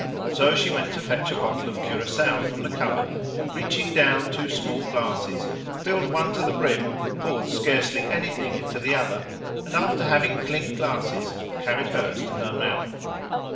So she went to fetch a bottle of curacao from the cupboard, reached down two small glasses, filled one to the brim, poured scarcely anything into the other, and, after having clinked glasses, carried hers to her mouth.